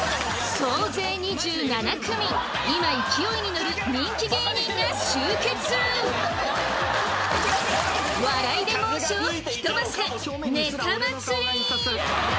総勢２７組今勢いに乗る人気芸人が集結笑いで猛暑を吹き飛ばせネタ祭り！